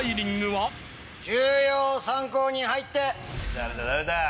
誰だ誰だ。